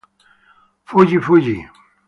Fuggi Fuggi!